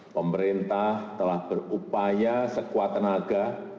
pemerintah telah berupaya sekuat tenaga